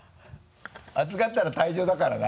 熱がったら退場だからな。